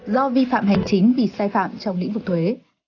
do vi phạm hành chính vì sai phạm trong lĩnh vực thuế